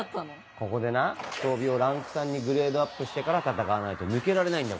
ここでな装備をランク３にグレードアップしてから戦わないと抜けられないんだよ